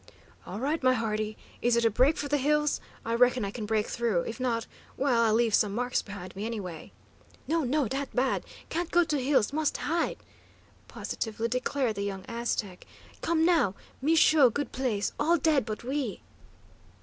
"All right, my hearty. Is it a break for the hills? I reckon I can break through. If not well, I'll leave some marks behind me, anyway!" "No, no, dat bad! Can't go to hills; must hide," positively declared the young Aztec. "Come, now. Me show good place; all dead but we."